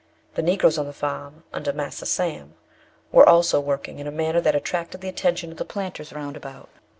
The Negroes on the farm, under "Marser Sam," were also working in a manner that attracted the attention of the planters round about.